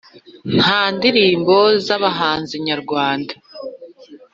Nta ndirimbo zabahanzi nyarwanda